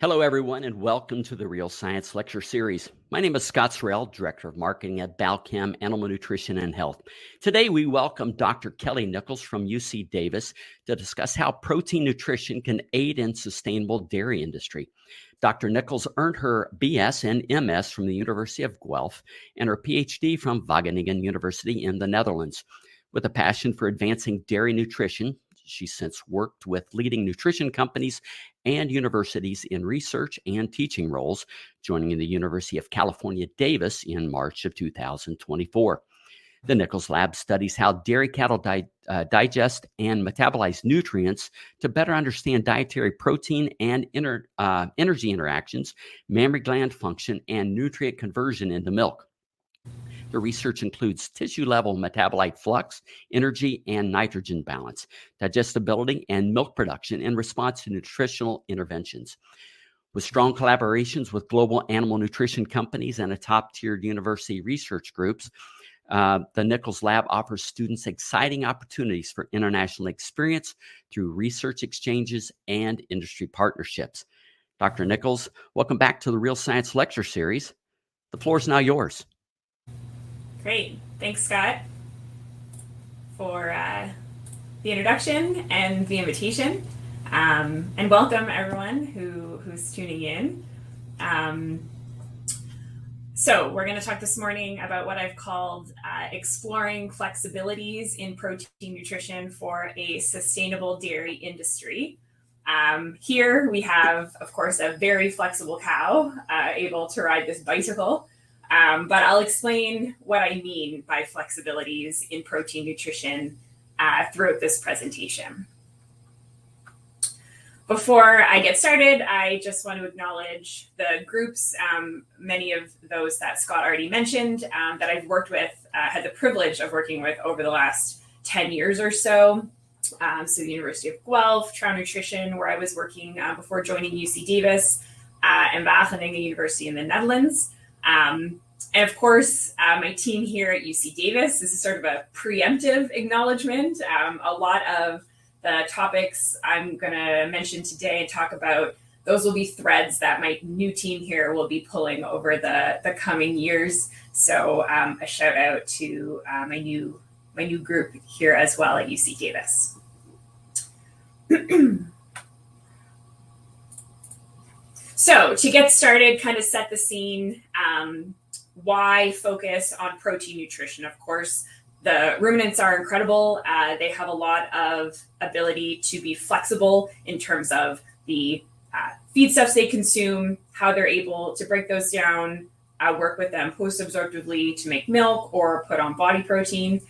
Hello everyone, and welcome to the Real Science Lecture Series. My name is Scott Sorrell, Director of Marketing at Balchem Animal Nutrition and Health. Today, we welcome Dr. Kelly Nichols from UC, Davis to discuss how protein nutrition can aid in the sustainable dairy industry. Dr. Nichols earned her BS and MS from the University of Guelph and her PhD from Wageningen University in the Netherlands. With a passion for advancing dairy nutrition, she's since worked with leading nutrition companies and universities in research and teaching roles, joining the University of California, Davis in March of 2024. The Nichols lab studies how dairy cattle digest and metabolize nutrients to better understand dietary protein and energy interactions, mammary gland function, and nutrient conversion in the milk. The research includes tissue level metabolite flux, energy and nitrogen balance, digestibility, and milk production in response to nutritional interventions. With strong collaborations with global animal nutrition companies and top-tier university research groups, the Nichols lab offers students exciting opportunities for international experience through research exchanges and industry partnerships. Dr. Nichols, welcome back to the Real Science Lecture Series. The floor is now yours. Great, thanks Scott for the introduction and the invitation. Welcome everyone who's tuning in. We're going to talk this morning about what I've called exploring flexibilities in protein nutrition for a sustainable dairy industry. Here we have, of course, a very flexible cow able to ride this bicycle. I'll explain what I mean by flexibilities in protein nutrition throughout this presentation. Before I get started, I just want to acknowledge the groups, many of those that Scott already mentioned, that I've worked with, had the privilege of working with over the last 10 years or so. The University of Guelph, Trouw Nutrition, where I was working before joining UC Davis, and Wageningen University in the Netherlands. Of course, my team here at UC Davis, this is sort of a preemptive acknowledgement. A lot of the topics I'm going to mention today and talk about, those will be threads that my new team here will be pulling over the coming years. A shout out to my new group here as well at UC, Davis. To get started, kind of set the scene, why focus on protein nutrition? The ruminants are incredible. They have a lot of ability to be flexible in terms of the feedstuffs they consume, how they're able to break those down, work with them post-absorptively to make milk or put on body protein.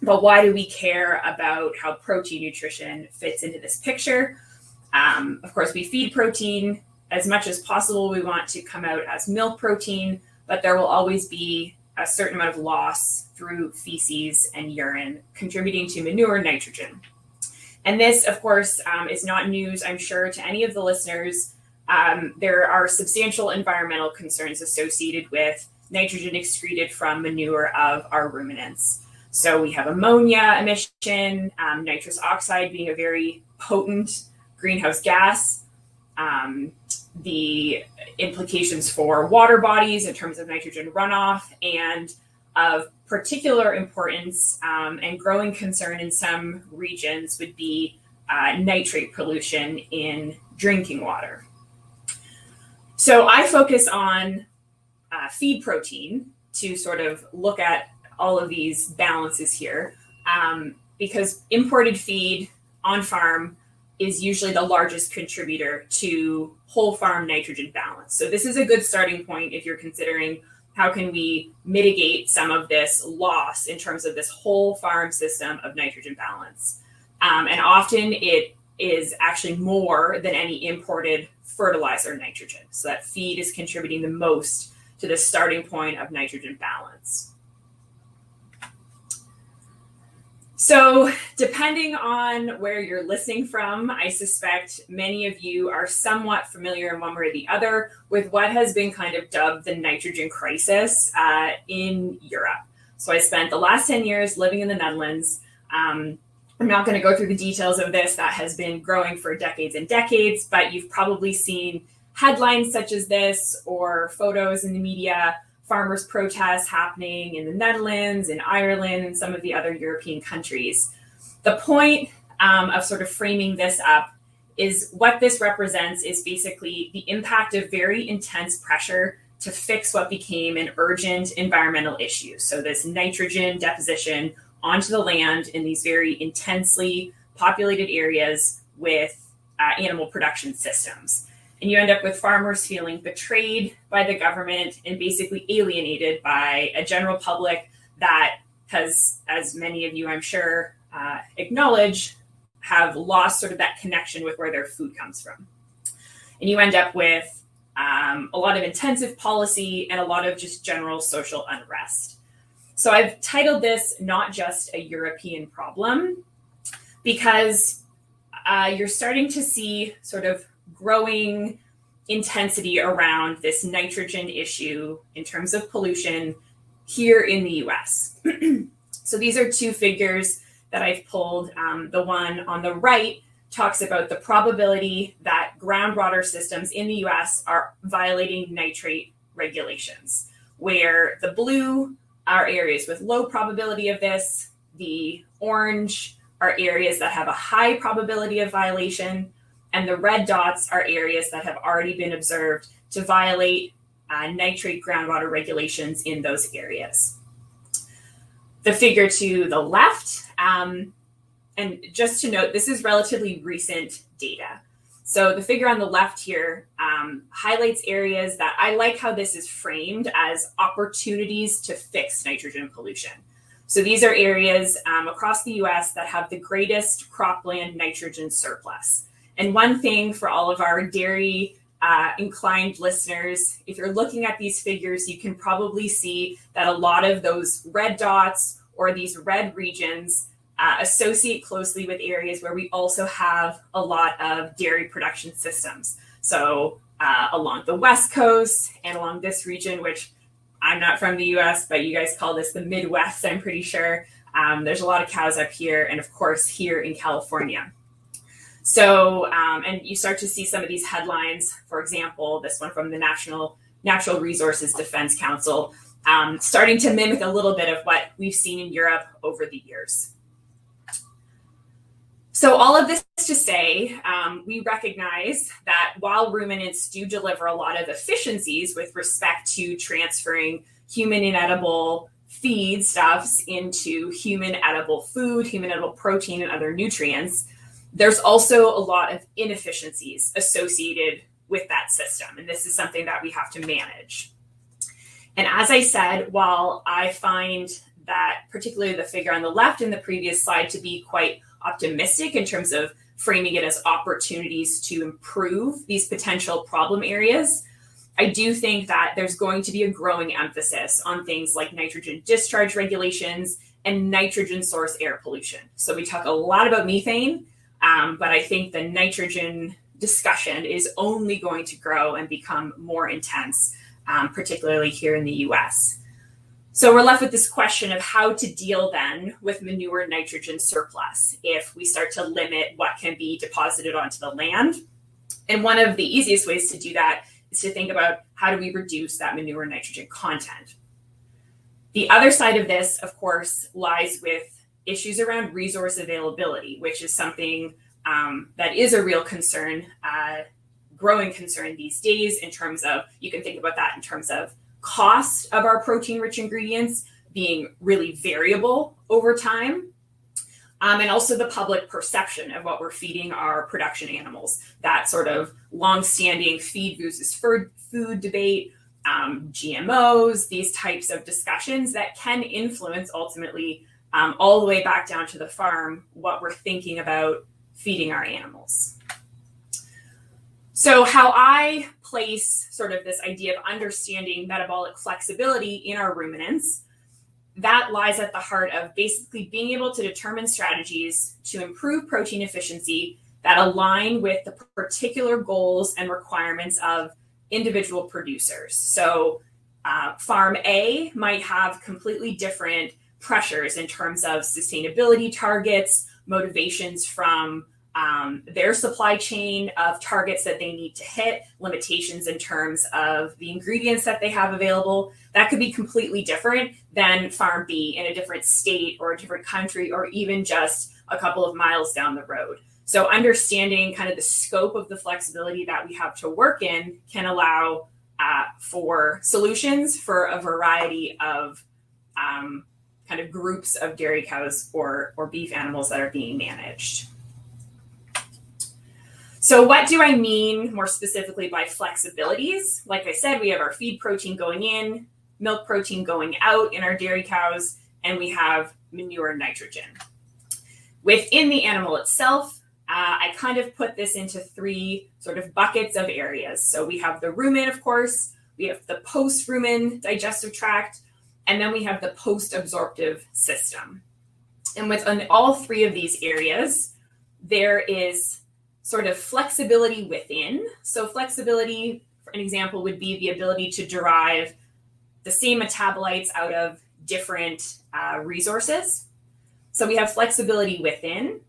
Why do we care about how protein nutrition fits into this picture? We feed protein as much as possible. We want to come out as milk protein, but there will always be a certain amount of loss through feces and urine contributing to manure and nitrogen. This is not news, I'm sure, to any of the listeners. There are substantial environmental concerns associated with nitrogen excreted from manure of our ruminants. We have ammonia emission, nitrous oxide being a very potent greenhouse gas. The implications for water bodies in terms of nitrogen runoff and of particular importance and growing concern in some regions would be nitrate pollution in drinking water. I focus on feed protein to sort of look at all of these balances here because imported feed on farm is usually the largest contributor to whole farm nitrogen balance. This is a good starting point if you're considering how can we mitigate some of this loss in terms of this whole farm system of nitrogen balance. Often it is actually more than any imported fertilizer nitrogen. That feed is contributing the most to the starting point of nitrogen balance. Depending on where you're listening from, I suspect many of you are somewhat familiar in one way or the other with what has been kind of dubbed the nitrogen crisis in Europe. I spent the last 10 years living in the Netherlands. I'm not going to go through the details of this. That has been growing for decades and decades, but you've probably seen headlines such as this or photos in the media, farmers' protests happening in the Netherlands and Ireland and some of the other European countries. The point of sort of framing this up is what this represents is basically the impact of very intense pressure to fix what became an urgent environmental issue. This nitrogen deposition onto the land in these very intensely populated areas with animal production systems. You end up with farmers feeling betrayed by the government and basically alienated by a general public that has, as many of you I'm sure acknowledge, lost sort of that connection with where their food comes from. You end up with a lot of intensive policy and a lot of just general social unrest. I've titled this not just a European problem because you're starting to see sort of growing intensity around this nitrogen issue in terms of pollution here in the U.S. These are two figures that I've pulled. The one on the right talks about the probability that groundwater systems in the U.S. are violating nitrate regulations, where the blue are areas with low probability of this, the orange are areas that have a high probability of violation, and the red dots are areas that have already been observed to violate nitrate groundwater regulations in those areas. The figure to the left, and just to note, this is relatively recent data. The figure on the left here highlights areas that I like how this is framed as opportunities to fix nitrogen pollution. These are areas across the U.S. that have the greatest cropland nitrogen surplus. One thing for all of our dairy-inclined listeners, if you're looking at these figures, you can probably see that a lot of those red dots or these red regions associate closely with areas where we also have a lot of dairy production systems. Along the West Coast and along this region, which I'm not from the U.S., but you guys call this the Midwest, I'm pretty sure. There's a lot of cows up here and, of course, here in California. You start to see some of these headlines, for example, this one from the Natural Resources Defense Council, starting to mimic a little bit of what we've seen in Europe over the years. All of this is to say we recognize that while ruminants do deliver a lot of efficiencies with respect to transferring human inedible feedstuffs into human edible food, human edible protein, and other nutrients, there's also a lot of inefficiencies associated with that system. This is something that we have to manage. As I said, while I find that particularly the figure on the left in the previous slide to be quite optimistic in terms of framing it as opportunities to improve these potential problem areas, I do think that there's going to be a growing emphasis on things like nitrogen discharge regulations and nitrogen source air pollution. We talk a lot about methane, but I think the nitrogen discussion is only going to grow and become more intense, particularly here in the U.S. We're left with this question of how to deal then with manure nitrogen surplus if we start to limit what can be deposited onto the land. One of the easiest ways to do that is to think about how do we reduce that manure nitrogen content. The other side of this, of course, lies with issues around resource availability, which is something that is a real concern, a growing concern these days in terms of, you can think about that in terms of cost of our protein-rich ingredients being really variable over time. Also the public perception of what we're feeding our production animals, that sort of longstanding feed versus food debate, GMOs, these types of discussions that can influence ultimately all the way back down to the farm what we're thinking about feeding our animals. How I place sort of this idea of understanding metabolic flexibility in our ruminants, that lies at the heart of basically being able to determine strategies to improve protein efficiency that align with the particular goals and requirements of individual producers. Farm A might have completely different pressures in terms of sustainability targets, motivations from their supply chain of targets that they need to hit, limitations in terms of the ingredients that they have available. That could be completely different than farm B in a different state or a different country or even just a couple of miles down the road. Understanding kind of the scope of the flexibility that we have to work in can allow for solutions for a variety of groups of dairy cows or beef animals that are being managed. What do I mean more specifically by flexibilities? Like I said, we have our feed protein going in, milk protein going out in our dairy cows, and we have manure nitrogen. Within the animal itself, I put this into three buckets of areas. We have the rumen, of course, we have the post-rumen digestive tract, and then we have the post-absorptive system. Within all three of these areas, there is flexibility within. Flexibility, for an example, would be the ability to derive the same metabolites out of different resources. We have flexibility within,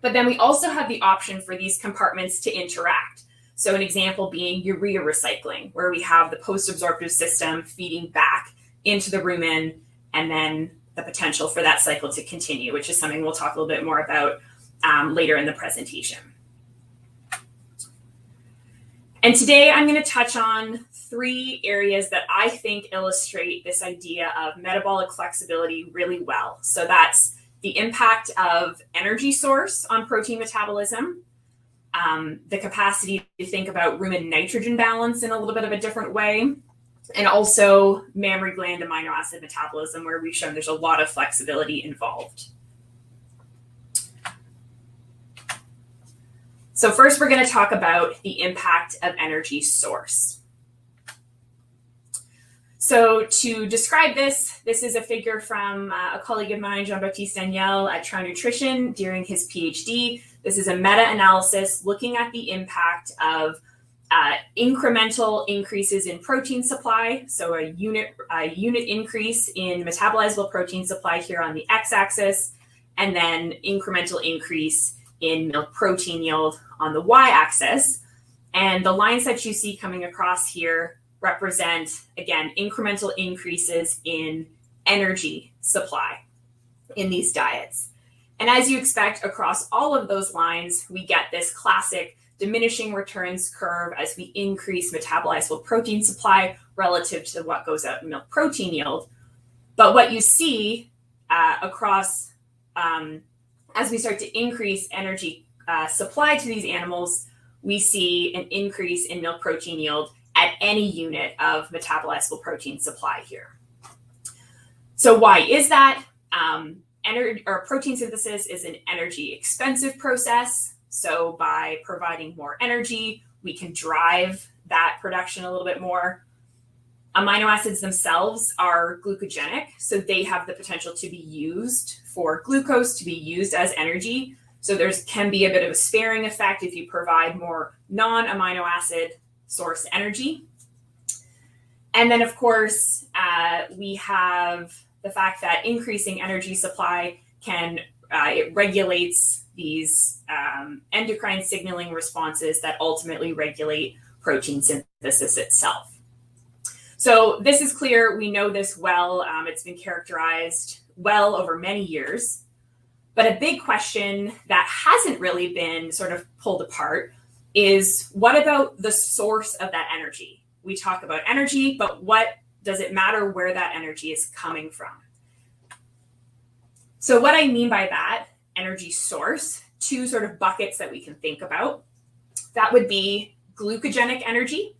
but we also have the option for these compartments to interact. An example being urea recycling, where we have the post-absorptive system feeding back into the rumen and the potential for that cycle to continue, which is something we'll talk a little bit more about later in the presentation. Today I'm going to touch on three areas that I think illustrate this idea of metabolic flexibility really well. That's the impact of energy source on protein metabolism, the capacity to think about rumen nitrogen balance in a little bit of a different way, and also mammary gland amino acid metabolism, where we've shown there's a lot of flexibility involved. First, we're going to talk about the impact of energy source. To describe this, this is a figure from a colleague of mine, Jean-Baptiste Daniel, at Trouw Nutrition during his PhD. This is a meta-analysis looking at the impact of incremental increases in protein supply. A unit increase in metabolizable protein supply here on the x-axis, and then incremental increase in protein yield on the y-axis. The lines that you see coming across here represent, again, incremental increases in energy supply in these diets. As you expect, across all of those lines, we get this classic diminishing returns curve as we increase metabolizable protein supply relative to what goes out in milk protein yield. What you see across, as we start to increase energy supply to these animals, we see an increase in milk protein yield at any unit of metabolizable protein supply here. Why is that? Our protein synthesis is an energy-expensive process. By providing more energy, we can drive that production a little bit more. Amino acids themselves are glucogenic, so they have the potential to be used for glucose to be used as energy. There can be a bit of a sparing effect if you provide more non-amino acid source energy. Of course, we have the fact that increasing energy supply regulates these endocrine signaling responses that ultimately regulate protein synthesis itself. This is clear. We know this well. It's been characterized well over many years. A big question that hasn't really been sort of pulled apart is what about the source of that energy? We talk about energy, but what does it matter where that energy is coming from? What I mean by that, energy source, two sort of buckets that we can think about, that would be glucogenic energy.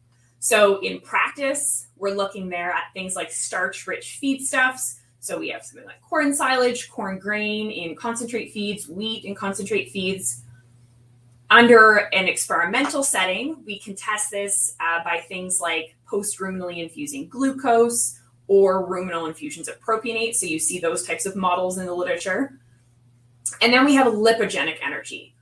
In practice, we're looking there at things like starch-rich feedstuffs. We have some of that corn silage, corn grain in concentrate feeds, wheat in concentrate feeds. Under an experimental setting, we can test this by things like post-ruminally infusing glucose or ruminal infusions of propionate. You see those types of models in the literature. We have lipogenic energy.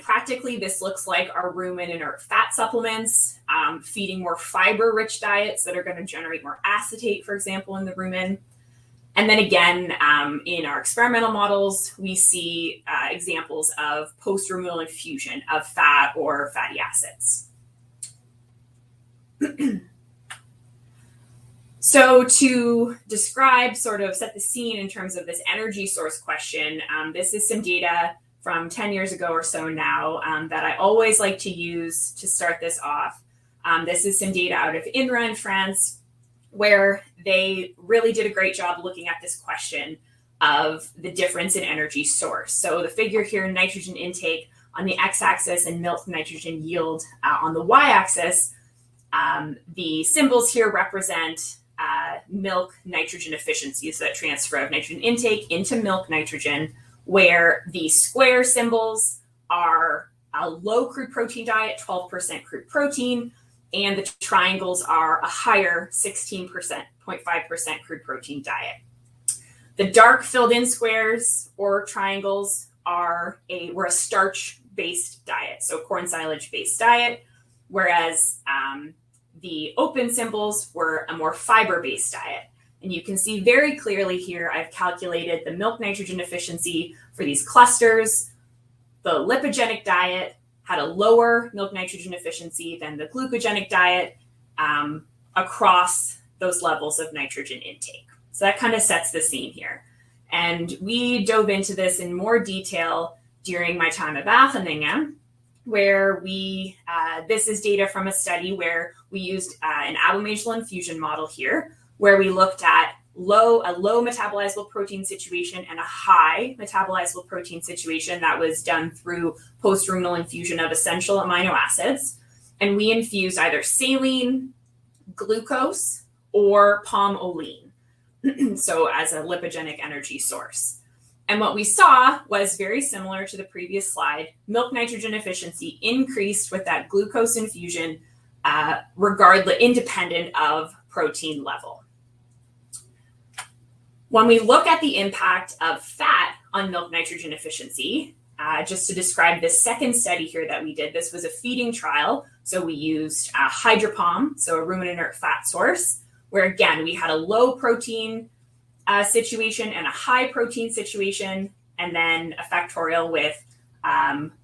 Practically, this looks like our rumen in our fat supplements, feeding more fiber-rich diets that are going to generate more acetate, for example, in the rumen. In our experimental models, we see examples of post-ruminal infusion of fat or fatty acids. To describe, sort of set the scene in terms of this energy source question, this is some data from 10 years ago or so now that I always like to use to start this off. This is some data out of INRA, France, where they really did a great job looking at this question of the difference in energy source. The figure here, nitrogen intake on the x-axis and milk nitrogen yield on the y-axis, the symbols here represent milk nitrogen efficiency. That transfer of nitrogen intake into milk nitrogen, where the square symbols are a low crude protein diet, 12% crude protein, and the triangles are a higher 16.5% crude protein diet. The dark filled-in squares or triangles were a starch-based diet, so a corn silage-based diet, whereas the open symbols were a more fiber-based diet. You can see very clearly here, I've calculated the milk nitrogen efficiency for these clusters. The lipogenic diet had a lower milk nitrogen efficiency than the glucogenic diet across those levels of nitrogen intake. That kind of sets the scene here. We dove into this in more detail during my time at Bath and Engel, where we, this is data from a study where we used an abomasal infusion model here, where we looked at a low metabolizable protein situation and a high metabolizable protein situation that was done through post-ruminal infusion of essential amino acids. We infused either saline, glucose, or palm oil as a lipogenic energy source. What we saw was very similar to the previous slide. Milk nitrogen efficiency increased with that glucose infusion, independent of protein level. When we look at the impact of fat on milk nitrogen efficiency, just to describe the second study here that we did, this was a feeding trial. We used a hydropalm, so a rumen inert fat source, where again, we had a low protein situation and a high protein situation, and then a factorial with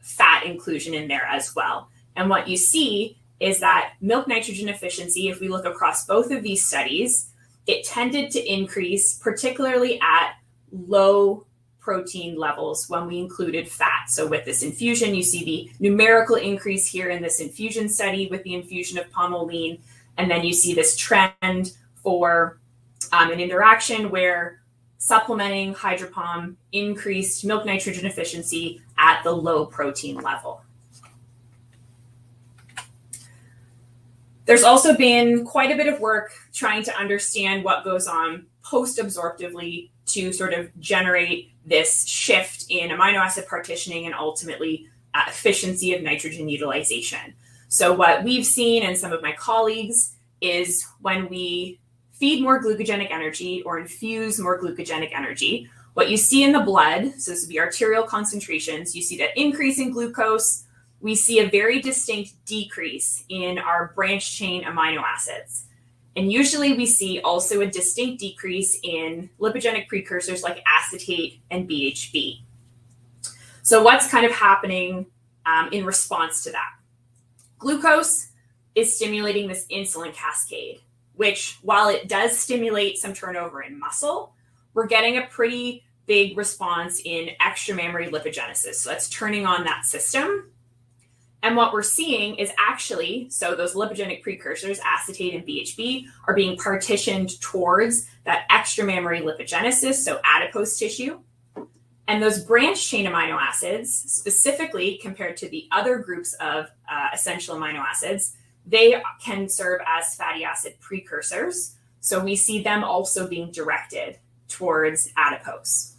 fat inclusion in there as well. What you see is that milk nitrogen efficiency, if we look across both of these studies, it tended to increase particularly at low protein levels when we included fat. With this infusion, you see the numerical increase here in this infusion study with the infusion of palm oil. You see this trend or an interaction where supplementing hydropalm increased milk nitrogen efficiency at the low protein level. There has also been quite a bit of work trying to understand what goes on post-absorptively to sort of generate this shift in amino acid partitioning and ultimately efficiency of nitrogen utilization. What we've seen and some of my colleagues is when we feed more glucogenic energy or infuse more glucogenic energy, what you see in the blood, so this is the arterial concentrations, you see that increase in glucose. We see a very distinct decrease in our branched-chain amino acids. Usually, we see also a distinct decrease in lipogenic precursors like acetate and BHB. What is kind of happening in response to that? Glucose is stimulating this insulin cascade, which while it does stimulate some turnover in muscle, we're getting a pretty big response in extra-mammary lipogenesis. That is turning on that system. What we're seeing is actually, those lipogenic precursors, acetate and BHB, are being partitioned towards that extra-mammary lipogenesis, so adipose tissue. Those branched-chain amino acids, specifically compared to the other groups of essential amino acids, they can serve as fatty acid precursors. We see them also being directed towards adipose.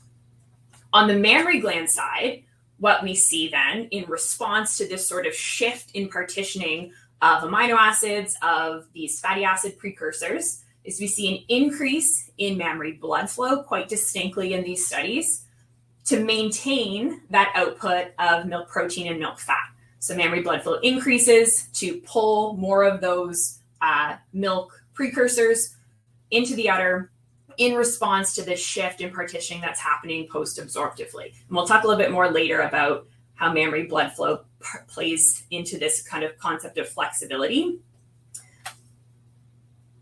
On the mammary gland side, what we see then in response to this sort of shift in partitioning of amino acids of these fatty acid precursors is we see an increase in mammary blood flow quite distinctly in these studies to maintain that output of milk protein and milk fat. Mammary blood flow increases to pull more of those milk precursors into the udder in response to this shift in partitioning that's happening post-absorptively. We'll talk a little bit more later about how mammary blood flow plays into this kind of concept of flexibility.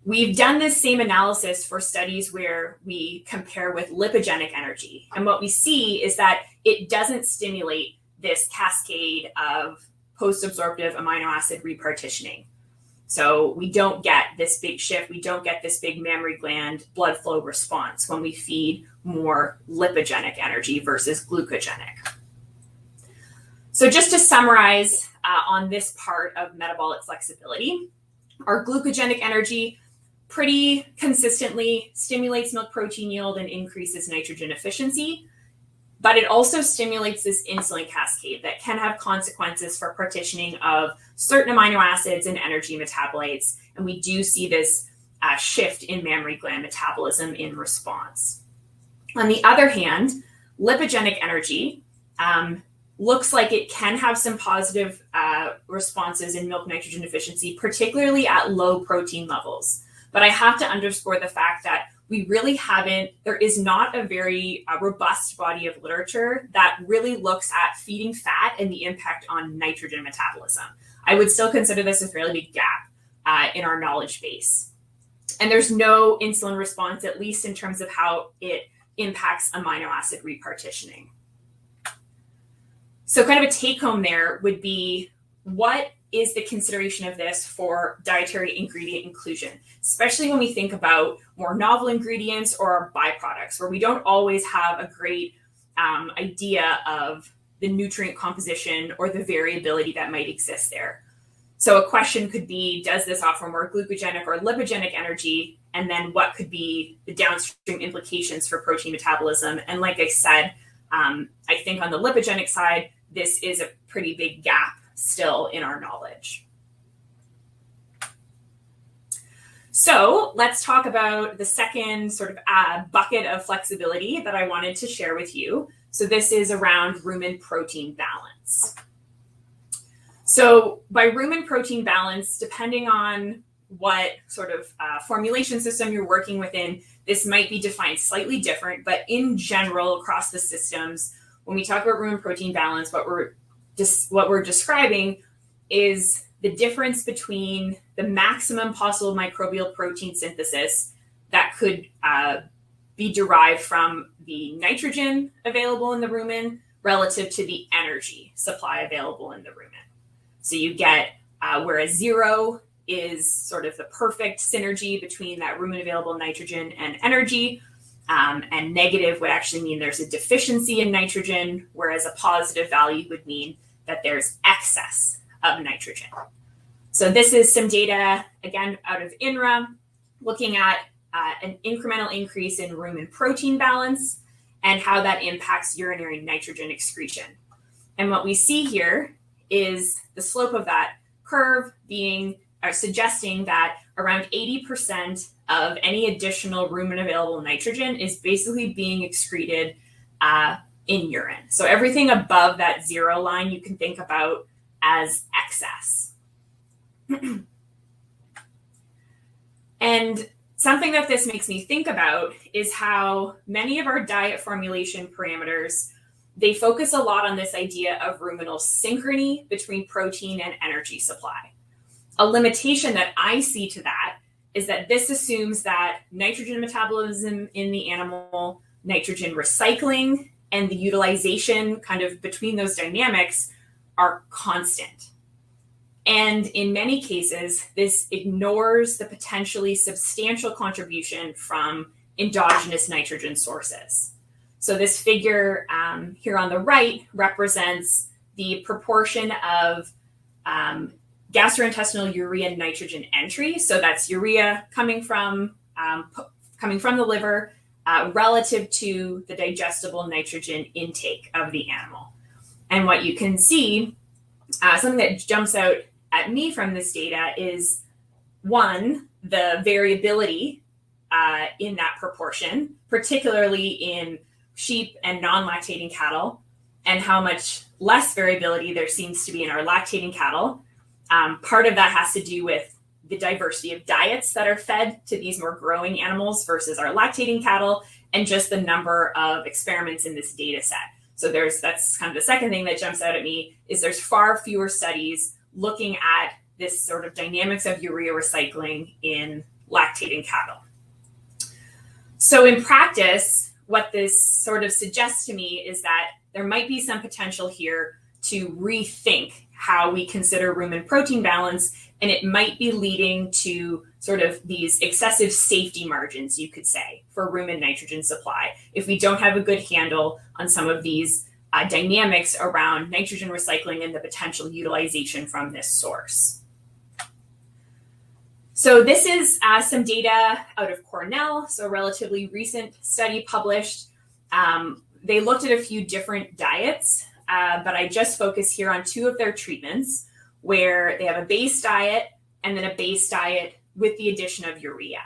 We've done the same analysis for studies where we compare with lipogenic energy. What we see is that it doesn't stimulate this cascade of post-absorptive amino acid repartitioning. We don't get this big shift. We don't get this big mammary gland blood flow response when we feed more lipogenic energy versus glucogenic. Just to summarize on this part of metabolic flexibility, our glucogenic energy pretty consistently stimulates milk protein yield and increases nitrogen efficiency. It also stimulates this insulin cascade that can have consequences for partitioning of certain amino acids and energy metabolites. We do see this shift in mammary gland metabolism in response. On the other hand, lipogenic energy looks like it can have some positive responses in milk nitrogen efficiency, particularly at low protein levels. I have to underscore the fact that we really haven't, there is not a very robust body of literature that really looks at feeding fat and the impact on nitrogen metabolism. I would still consider this a fairly big gap in our knowledge base. There's no insulin response, at least in terms of how it impacts amino acid repartitioning. A take-home there would be, what is the consideration of this for dietary ingredient inclusion, especially when we think about more novel ingredients or our byproducts, where we don't always have a great idea of the nutrient composition or the variability that might exist there. A question could be, does this offer more glucogenic or lipogenic energy? What could be the downstream implications for protein metabolism? Like I said, I think on the lipogenic side, this is a pretty big gap still in our knowledge. Let's talk about the second sort of bucket of flexibility that I wanted to share with you. This is around rumen protein balance. By rumen protein balance, depending on what sort of formulation system you're working within, this might be defined slightly different. In general, across the systems, when we talk about rumen protein balance, what we're describing is the difference between the maximum possible microbial protein synthesis that could be derived from the nitrogen available in the rumen relative to the energy supply available in the rumen. You get where a zero is sort of the perfect synergy between that rumen available nitrogen and energy. A negative would actually mean there's a deficiency in nitrogen, whereas a positive value would mean that there's excess of nitrogen. This is some data, again, out of INRA, looking at an incremental increase in rumen protein balance and how that impacts urinary nitrogen excretion. What we see here is the slope of that curve suggesting that around 80% of any additional rumen available nitrogen is basically being excreted in urine. Everything above that zero line you can think about as excess. Something that this makes me think about is how many of our diet formulation parameters focus a lot on this idea of ruminal synchrony between protein and energy supply. A limitation that I see to that is that this assumes that nitrogen metabolism in the animal, nitrogen recycling, and the utilization kind of between those dynamics are constant. In many cases, this ignores the potentially substantial contribution from endogenous nitrogen sources. This figure here on the right represents the proportion of gastrointestinal urea nitrogen entry. That's urea coming from the liver relative to the digestible nitrogen intake of the animal. What you can see, something that jumps out at me from this data is, one, the variability in that proportion, particularly in sheep and non-lactating cattle, and how much less variability there seems to be in our lactating cattle. Part of that has to do with the diversity of diets that are fed to these more growing animals versus our lactating cattle and just the number of experiments in this data set. The second thing that jumps out at me is there's far fewer studies looking at this sort of dynamics of urea recycling in lactating cattle. In practice, what this sort of suggests to me is that there might be some potential here to rethink how we consider rumen protein balance, and it might be leading to these excessive safety margins, you could say, for rumen nitrogen supply if we don't have a good handle on some of these dynamics around nitrogen recycling and the potential utilization from this source. This is some data out of Cornell, a relatively recent study published. They looked at a few different diets, but I just focus here on two of their treatments where they have a base diet and then a base diet with the addition of urea.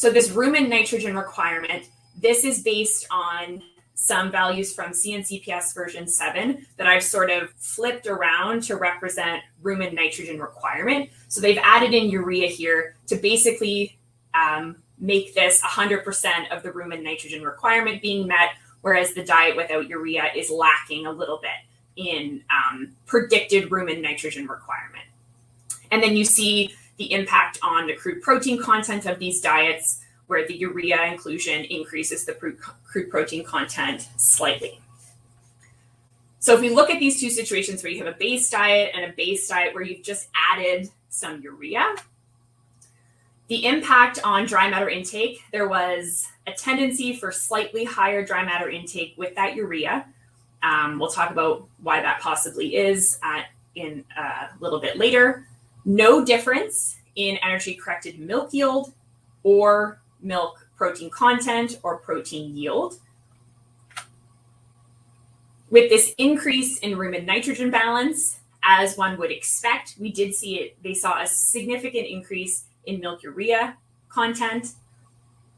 This rumen nitrogen requirement is based on some values from CNCPS version 7 that I've flipped around to represent rumen nitrogen requirement. They've added in urea here to basically make this 100% of the rumen nitrogen requirement being met, whereas the diet without urea is lacking a little bit in predicted rumen nitrogen requirement. You see the impact on the crude protein content of these diets where the urea inclusion increases the crude protein content slightly. If we look at these two situations where you have a base diet and a base diet where you've just added some urea, the impact on dry matter intake, there was a tendency for slightly higher dry matter intake with that urea. We'll talk about why that possibly is a little bit later. No difference in energy-corrected milk yield or milk protein content or protein yield. With this increase in rumen nitrogen balance, as one would expect, we did see it. They saw a significant increase in milk urea content.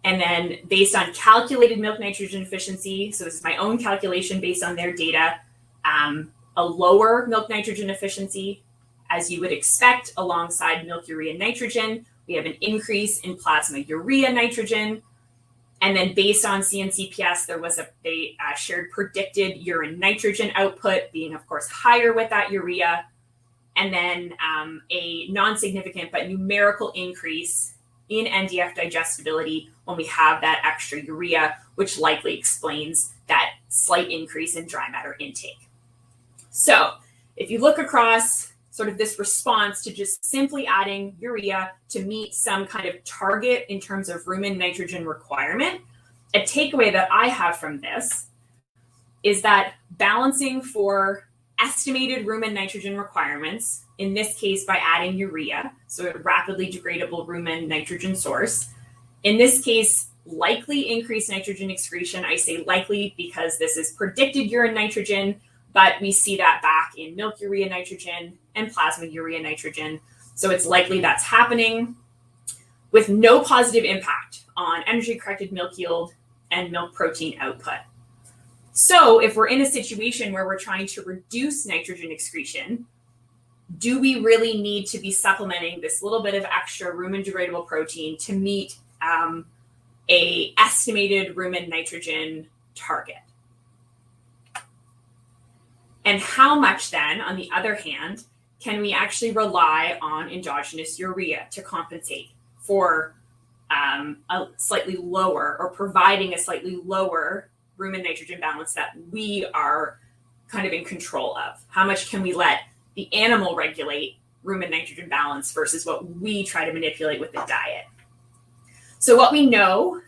Based on calculated milk nitrogen efficiency, this is my own calculation based on their data, a lower milk nitrogen efficiency, as you would expect, alongside milk urea nitrogen. We have an increase in plasma urea nitrogen. Based on CNCPS, there was a shared predicted urine nitrogen output being, of course, higher with that urea. A non-significant but numerical increase in NDF digestibility when we have that extra urea likely explains that slight increase in dry matter intake. If you look across sort of this response to just simply adding urea to meet some kind of target in terms of rumen nitrogen requirement, a takeaway that I have from this is that balancing for estimated rumen nitrogen requirements, in this case by adding urea, a rapidly degradable rumen nitrogen source, likely increased nitrogen excretion. I say likely because this is predicted urine nitrogen, but we see that back in milk urea nitrogen and plasma urea nitrogen. It's likely that's happening with no positive impact on energy-corrected milk yield and milk protein output. If we're in a situation where we're trying to reduce nitrogen excretion, do we really need to be supplementing this little bit of extra rumen degradable protein to meet an estimated rumen nitrogen target? How much then, on the other hand, can we actually rely on endogenous urea to compensate for a slightly lower or providing a slightly lower rumen nitrogen balance that we are kind of in control of? How much can we let the animal regulate rumen nitrogen balance versus what we try to manipulate with the diet? What we know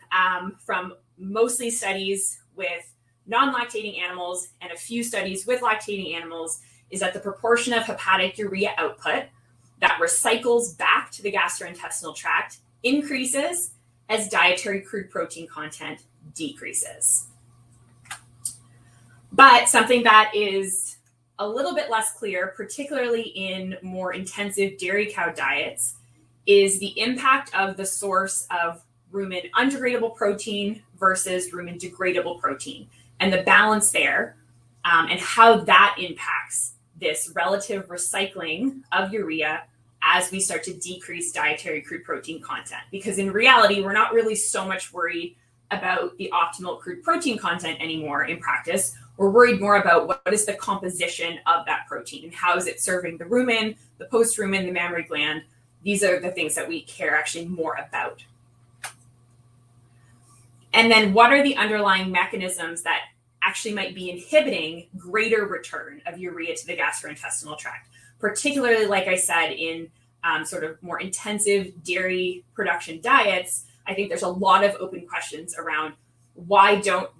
from mostly studies with non-lactating animals and a few studies with lactating animals is that the proportion of hepatic urea output that recycles back to the gastrointestinal tract increases as dietary crude protein content decreases. Something that is a little bit less clear, particularly in more intensive dairy cow diets, is the impact of the source of rumen undegradable protein versus rumen degradable protein and the balance there and how that impacts this relative recycling of urea as we start to decrease dietary crude protein content. In reality, we're not really so much worried about the optimal crude protein content anymore in practice. We're worried more about what is the composition of that protein and how is it serving the rumen, the post-rumen, the mammary gland. These are the things that we care actually more about. What are the underlying mechanisms that actually might be inhibiting greater return of urea to the gastrointestinal tract? Particularly, like I said, in sort of more intensive dairy production diets, I think there's a lot of open questions around why they don't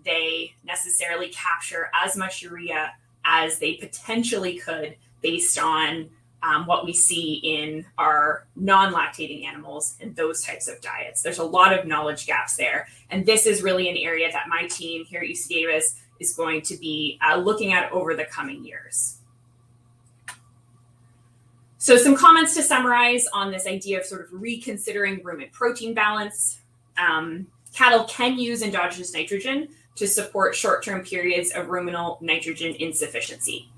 necessarily capture as much urea as they potentially could based on what we see in our non-lactating animals and those types of diets. There's a lot of knowledge gaps there. This is really an area that my team here at the UC Davis is going to be looking at over the coming years. Some comments to summarize on this idea of reconsidering rumen protein balance: cattle can use endogenous nitrogen to support short-term periods of ruminal nitrogen insufficiency.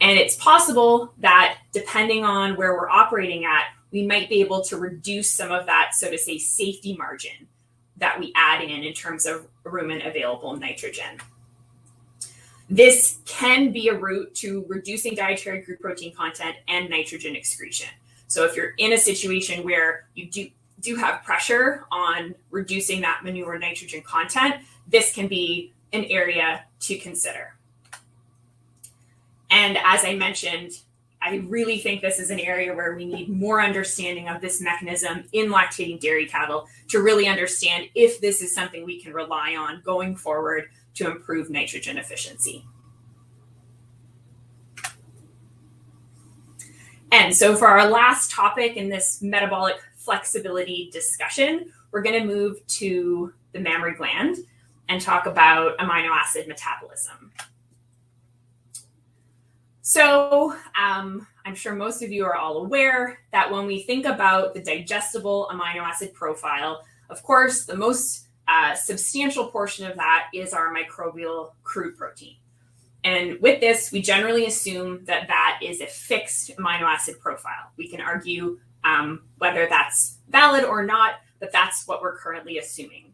It's possible that depending on where we're operating at, we might be able to reduce some of that, so to say, safety margin that we add in in terms of rumen available nitrogen. This can be a route to reducing dietary crude protein content and nitrogen excretion. If you're in a situation where you do have pressure on reducing that manure nitrogen content, this can be an area to consider. As I mentioned, I really think this is an area where we need more understanding of this mechanism in lactating dairy cattle to really understand if this is something we can rely on going forward to improve nitrogen efficiency. For our last topic in this metabolic flexibility discussion, we're going to move to the mammary gland and talk about amino acid metabolism. I'm sure most of you are all aware that when we think about the digestible amino acid profile, of course, the most substantial portion of that is our microbial crude protein. With this, we generally assume that that is a fixed amino acid profile. We can argue whether that's valid or not, but that's what we're currently assuming.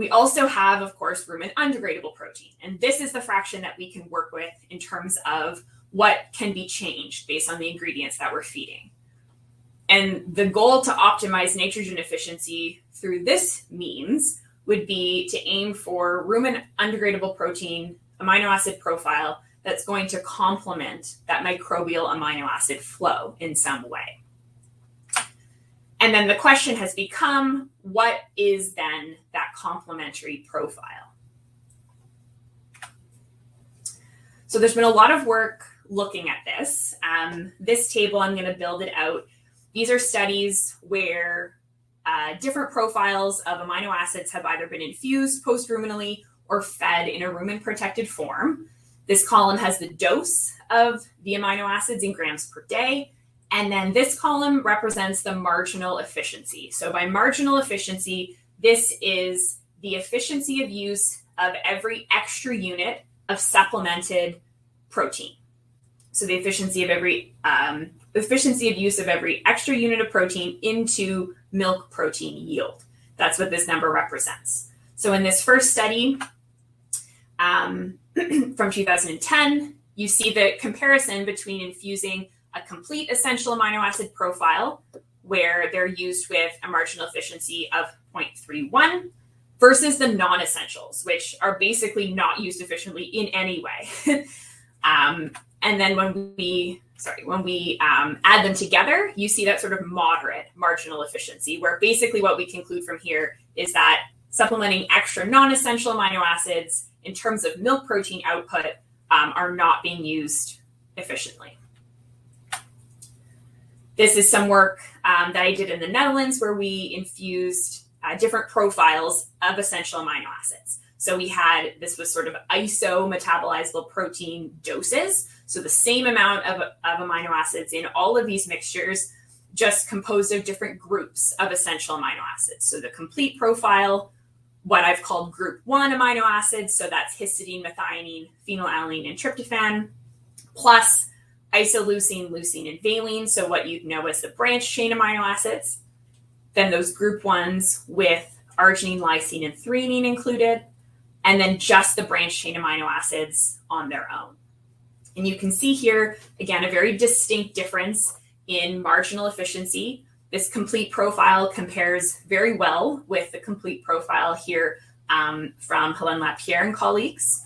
We also have, of course, rumen undegradable protein. This is the fraction that we can work with in terms of what can be changed based on the ingredients that we're feeding. The goal to optimize nitrogen efficiency through this means would be to aim for rumen undegradable protein amino acid profile that's going to complement that microbial amino acid flow in some way. The question has become, what is then that complementary profile? There's been a lot of work looking at this. This table, I'm going to build it out. These are studies where different profiles of amino acids have either been infused post-ruminally or fed in a rumen protected form. This column has the dose of the amino acids in grams per day. This column represents the marginal efficiency. By marginal efficiency, this is the efficiency of use of every extra unit of supplemented protein, so the efficiency of every extra unit of protein into milk protein yield. That's what this number represents. In this first study from 2010, you see the comparison between infusing a complete essential amino acid profile where they're used with a marginal efficiency of 0.31 versus the non-essentials, which are basically not used efficiently in any way. When we add them together, you see that sort of moderate marginal efficiency, where basically what we conclude from here is that supplementing extra non-essential amino acids in terms of milk protein output are not being used efficiently. This is some work that I did in the Netherlands where we infused different profiles of essential amino acids. We had what was sort of isometabolizable protein doses, so the same amount of amino acids in all of these mixtures just composed of different groups of essential amino acids. The complete profile, what I've called group one amino acids, so that's histidine, methionine, phenylalanine, and tryptophan, plus isoleucine, leucine, and valine, so what you'd know as the branch chain amino acids, then those group ones with arginine, lysine, and threonine included, and then just the branch chain amino acids on their own. You can see here, again, a very distinct difference in marginal efficiency. This complete profile compares very well with the complete profile here from Hélène Lapierre and colleagues.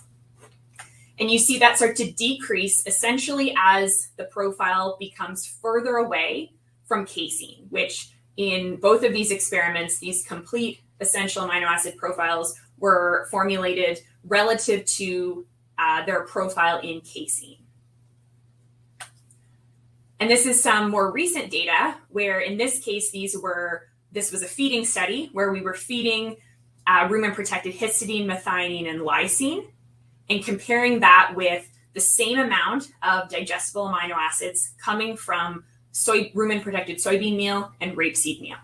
You see that start to decrease essentially as the profile becomes further away from casein, which in both of these experiments, these complete essential amino acid profiles were formulated relative to their profile in casein. This is some more recent data where in this case, this was a feeding study where we were feeding rumen protected histidine, methionine, and lysine and comparing that with the same amount of digestible amino acids coming from rumen protected soybean meal and rapeseed meal.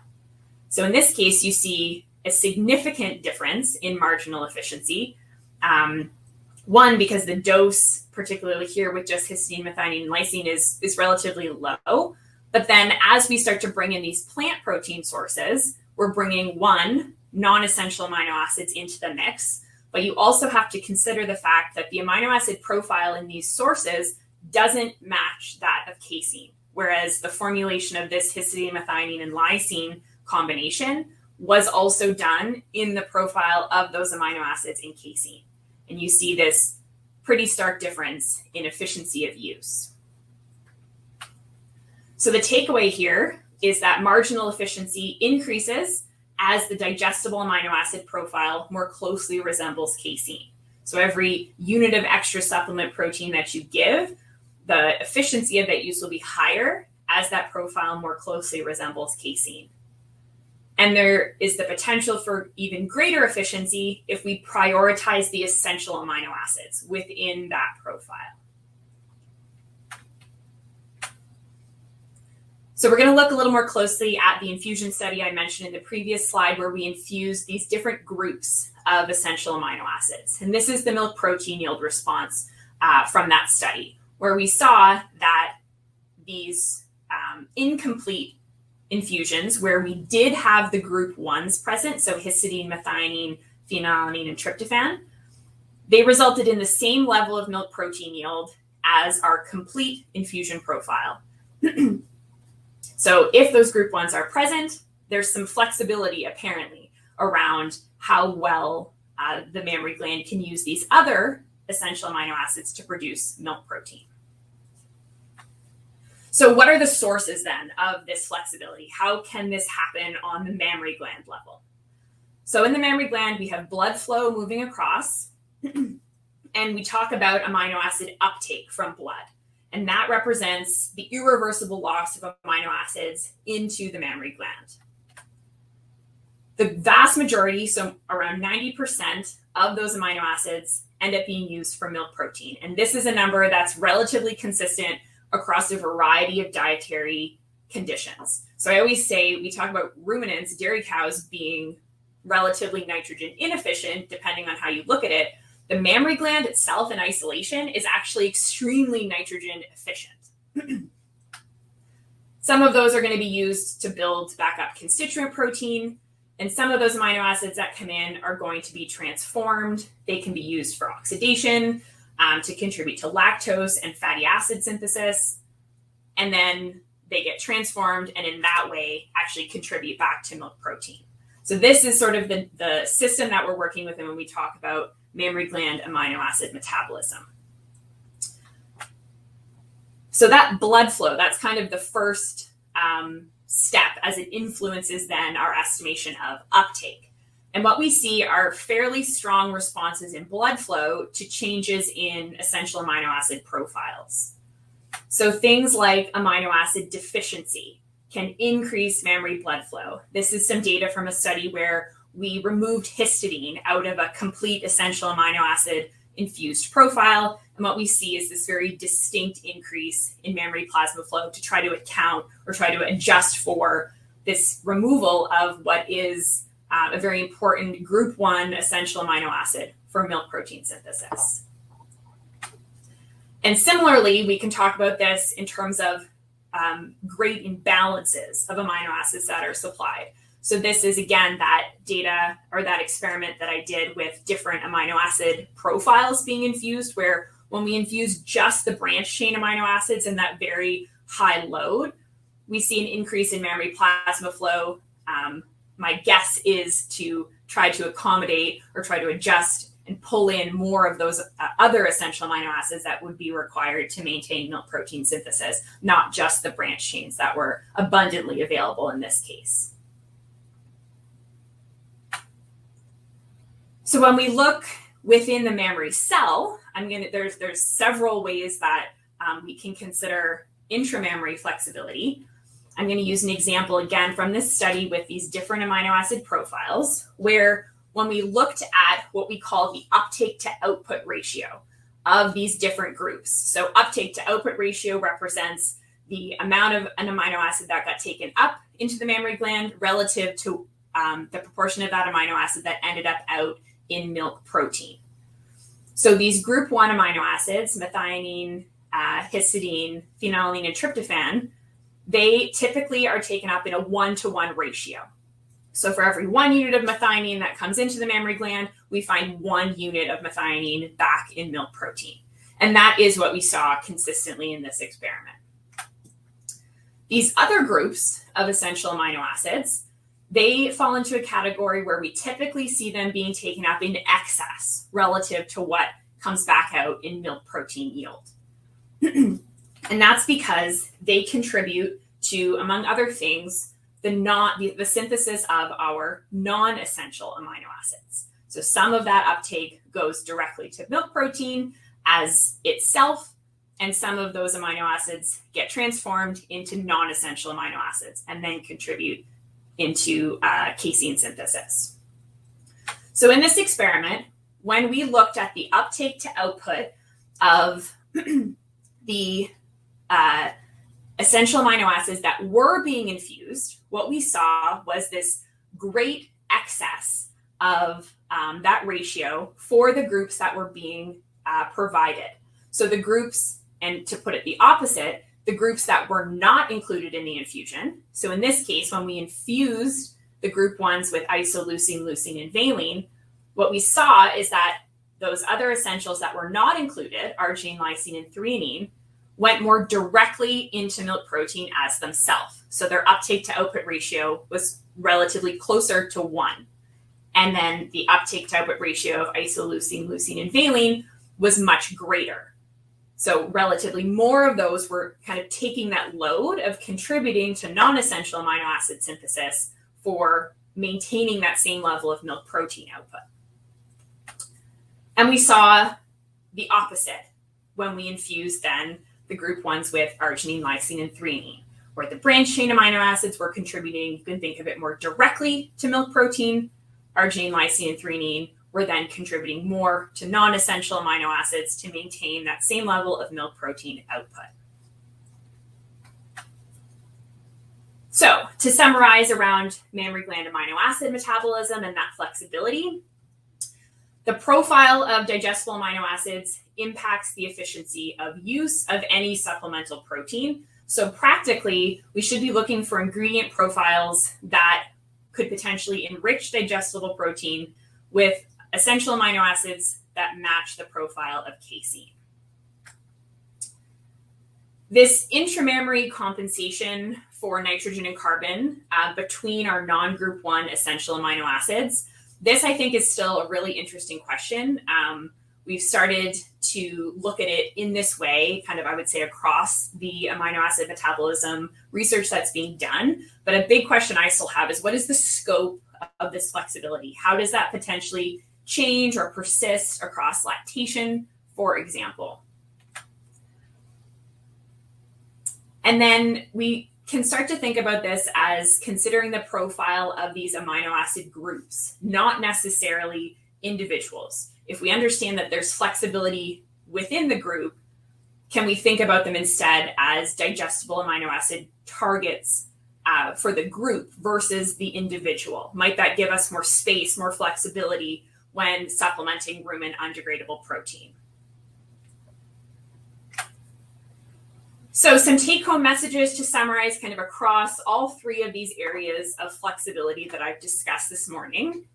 In this case, you see a significant difference in marginal efficiency. One, because the dose, particularly here with just histidine, methionine, and lysine, is relatively low. As we start to bring in these plant protein sources, we're bringing one non-essential amino acids into the mix. You also have to consider the fact that the amino acid profile in these sources doesn't match that of casein, whereas the formulation of this histidine, methionine, and lysine combination was also done in the profile of those amino acids in casein. You see this pretty stark difference in efficiency of use. The takeaway here is that marginal efficiency increases as the digestible amino acid profile more closely resembles casein. Every unit of extra supplement protein that you give, the efficiency of that use will be higher as that profile more closely resembles casein. There is the potential for even greater efficiency if we prioritize the essential amino acids within that profile. We are going to look a little more closely at the infusion study I mentioned in the previous slide where we infused these different groups of essential amino acids. This is the milk protein yield response from that study where we saw that these incomplete infusions where we did have the group ones present, so histidine, methionine, phenylalanine, and tryptophan, resulted in the same level of milk protein yield as our complete infusion profile. If those group ones are present, there is some flexibility apparently around how well the mammary gland can use these other essential amino acids to produce milk protein. What are the sources then of this flexibility? How can this happen on the mammary gland level? In the mammary gland, we have blood flow moving across, and we talk about amino acid uptake from blood. That represents the irreversible loss of amino acids into the mammary gland. The vast majority, around 90% of those amino acids, end up being used for milk protein. This is a number that's relatively consistent across a variety of dietary conditions. I always say we talk about ruminants, dairy cows being relatively nitrogen inefficient, depending on how you look at it. The mammary gland itself in isolation is actually extremely nitrogen efficient. Some of those are going to be used to build back up constituent protein, and some of those amino acids that come in are going to be transformed. They can be used for oxidation to contribute to lactose and fatty acid synthesis. Then they get transformed, and in that way, actually contribute back to milk protein. This is sort of the system that we are working with when we talk about mammary gland amino acid metabolism. That blood flow is kind of the first step as it influences then our estimation of uptake. What we see are fairly strong responses in blood flow to changes in essential amino acid profiles. Things like amino acid deficiency can increase mammary blood flow. This is some data from a study where we removed histidine out of a complete essential amino acid infused profile. What we see is this very distinct increase in mammary plasma flow to try to account or try to adjust for this removal of what is a very important group one essential amino acid for milk protein synthesis. Similarly, we can talk about this in terms of great imbalances of amino acids that are supplied. This is, again, that data or that experiment that I did with different amino acid profiles being infused where when we infuse just the branched-chain amino acids in that very high load, we see an increase in mammary plasma flow. My guess is to try to accommodate or try to adjust and pull in more of those other essential amino acids that would be required to maintain milk protein synthesis, not just the branched chains that were abundantly available in this case. When we look within the mammary cell, there are several ways that we can consider intramammary flexibility. I'm going to use an example again from this study with these different amino acid profiles where when we looked at what we call the uptake to output ratio of these different groups. Uptake to output ratio represents the amount of an amino acid that got taken up into the mammary gland relative to the proportion of that amino acid that ended up out in milk protein. These group one amino acids, methionine, histidine, phenylalanine, and tryptophan, they typically are taken up in a one-to-one ratio. For every one unit of methionine that comes into the mammary gland, we find one unit of methionine back in milk protein. That is what we saw consistently in this experiment. These other groups of essential amino acids fall into a category where we typically see them being taken up in excess relative to what comes back out in milk protein yield. That's because they contribute to, among other things, the synthesis of our non-essential amino acids. Some of that uptake goes directly to milk protein as itself, and some of those amino acids get transformed into non-essential amino acids and then contribute into casein synthesis. In this experiment, when we looked at the uptake to output of the essential amino acids that were being infused, what we saw was this great excess of that ratio for the groups that were being provided. To put it the opposite, the groups that were not included in the infusion. In this case, when we infused the group ones with isoleucine, leucine, and valine, what we saw is that those other essentials that were not included, arginine, lysine, and threonine, went more directly into milk protein as themselves. Their uptake to output ratio was relatively closer to one. The uptake to output ratio of isoleucine, leucine, and valine was much greater. Relatively more of those were kind of taking that load of contributing to non-essential amino acid synthesis for maintaining that same level of milk protein output. We saw the opposite when we infused the group ones with arginine, lysine, and threonine, where the branched-chain amino acids were contributing, you can think of it, more directly to milk protein. Arginine, lysine, and threonine were then contributing more to non-essential amino acids to maintain that same level of milk protein output. To summarize around mammary gland amino acid metabolism and that flexibility, the profile of digestible amino acids impacts the efficiency of use of any supplemental protein. Practically, we should be looking for ingredient profiles that could potentially enrich digestible protein with essential amino acids that match the profile of casein. This intramammary compensation for nitrogen and carbon between our non-group one essential amino acids, this is still a really interesting question. We've started to look at it in this way, I would say across the amino acid metabolism research that's being done. A big question I still have is what is the scope of this flexibility? How does that potentially change or persist across lactation, for example? We can start to think about this as considering the profile of these amino acid groups, not necessarily individuals. If we understand that there's flexibility within the group, can we think about them instead as digestible amino acid targets for the group versus the individual? Might that give us more space, more flexibility when supplementing rumen undegradable protein? Some take-home messages to summarize across all three of these areas of flexibility that I've discussed this morning: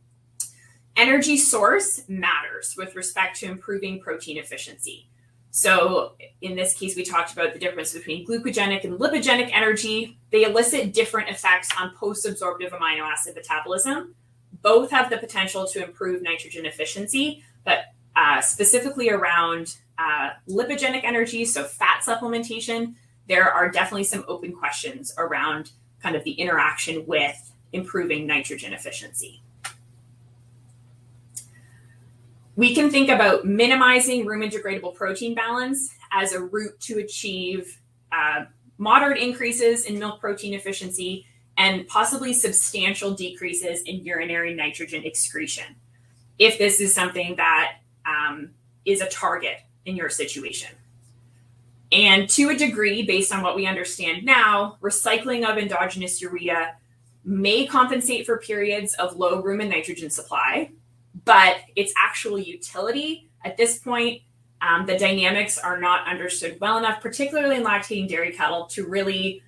energy source matters with respect to improving protein efficiency. In this case, we talked about the difference between glucogenic and lipogenic energy. They elicit different effects on post-absorptive amino acid metabolism. Both have the potential to improve nitrogen efficiency, but specifically around lipogenic energy, so fat supplementation, there are definitely some open questions around the interaction with improving nitrogen efficiency. We can think about minimizing rumen degradable protein balance as a route to achieve moderate increases in milk protein efficiency and possibly substantial decreases in urinary nitrogen excretion if this is something that is a target in your situation. To a degree, based on what we understand now, recycling of endogenous urea may compensate for periods of low rumen nitrogen supply, but its actual utility at this point, the dynamics are not understood well enough, particularly in lactating dairy cattle, to really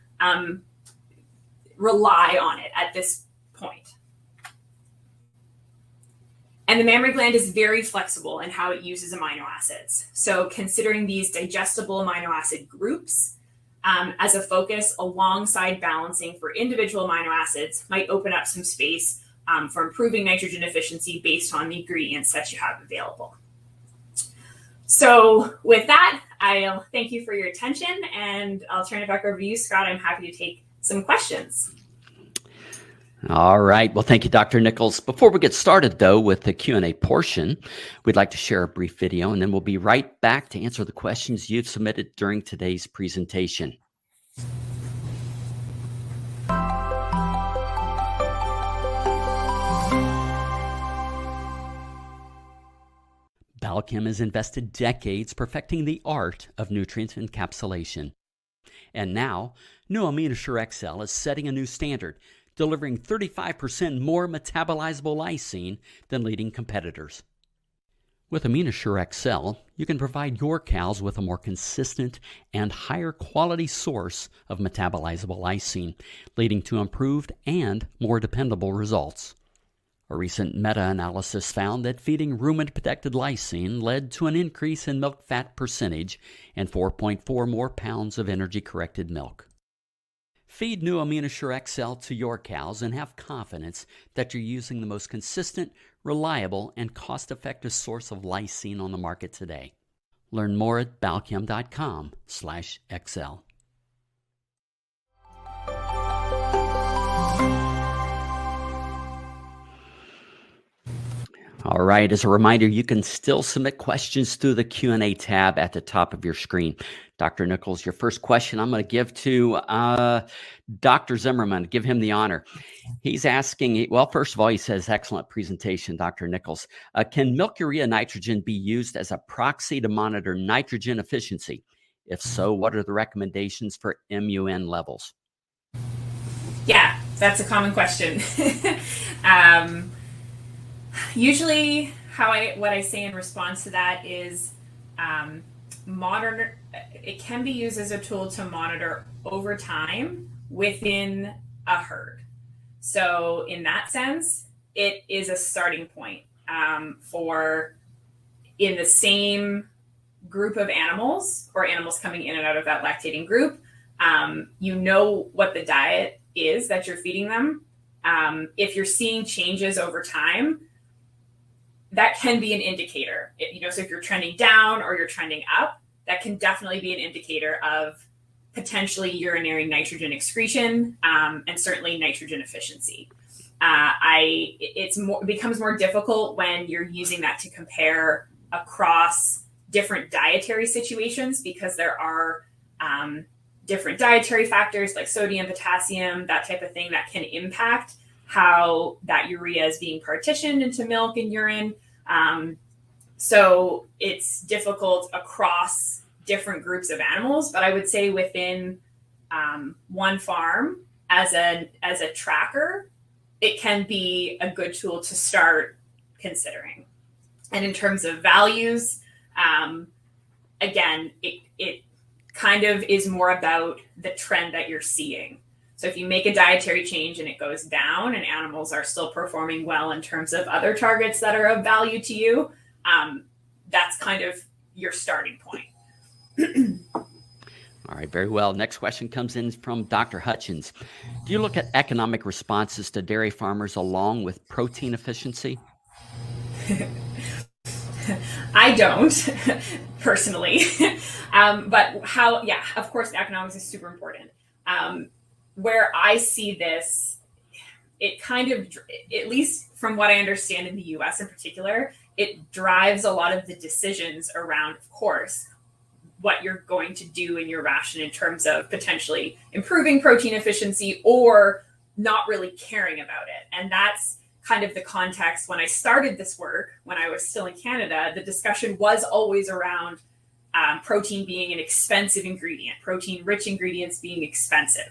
rely on it at this point. The mammary gland is very flexible in how it uses amino acids. Considering these digestible amino acid groups as a focus alongside balancing for individual amino acids might open up some space for improving nitrogen efficiency based on the ingredients that you have available. With that, I'll thank you for your attention, and I'll turn it back over to you, Scott. I'm happy to take some questions. All right. Thank you, Dr. Nichols. Before we get started with the Q&A portion, we'd like to share a brief video, and then we'll be right back to answer the questions you've submitted during today's presentation. Balchem has invested decades perfecting the art of nutrient encapsulation. Now, new AminoShure-XM is setting a new standard, delivering 35% more metabolizable lysine than leading competitors. With AminoShure-XM, you can provide your cows with a more consistent and higher quality source of metabolizable lysine, leading to improved and more dependable results. A recent meta-analysis found that feeding rumen protected lysine led to an increase in milk fat percentage and 4.4 more pounds of energy-corrected milk. Feed new AminoShure-XM to your cows and have confidence that you're using the most consistent, reliable, and cost-effective source of lysine on the market today. Learn more at balchem.com/xl. As a reminder, you can still submit questions through the Q&A tab at the top of your screen. Dr. Nichols, your first question I'm going to give to Dr. Zimmerman. Give him the honor. He's asking, first of all, he says, excellent presentation, Dr. Nichols. Can milk urea nitrogen be used as a proxy to monitor nitrogen efficiency? If so, what are the recommendations for MUN levels? Yeah, that's a common question. Usually, what I say in response to that is it can be used as a tool to monitor over time within a herd. In that sense, it is a starting point for in the same group of animals or animals coming in and out of that lactating group, you know what the diet is that you're feeding them. If you're seeing changes over time, that can be an indicator. If you're trending down or you're trending up, that can definitely be an indicator of potentially urinary nitrogen excretion and certainly nitrogen efficiency. It becomes more difficult when you're using that to compare across different dietary situations because there are different dietary factors like sodium, potassium, that type of thing that can impact how that urea is being partitioned into milk and urine. It's difficult across different groups of animals, but I would say within one farm, as a tracker, it can be a good tool to start considering. In terms of values, again, it kind of is more about the trend that you're seeing. If you make a dietary change and it goes down and animals are still performing well in terms of other targets that are of value to you, that's kind of your starting point. All right. Very well. Next question comes in from Dr. Hutchins. Do you look at economic responses to dairy farmers along with protein efficiency? I don't, personally. Of course, the economics is super important. Where I see this, at least from what I understand in the U.S. in particular, it drives a lot of the decisions around what you're going to do in your ration in terms of potentially improving protein efficiency or not really caring about it. That's kind of the context when I started this work when I was still in Canada. The discussion was always around protein being an expensive ingredient, protein-rich ingredients being expensive.